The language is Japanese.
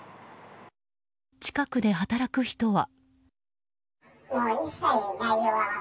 近くで働く人は。